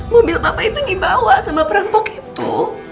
mobil papa itu dibawa sama perantok itu